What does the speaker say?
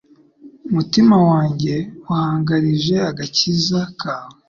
Umutima wanjye uhangarije agakiza kawe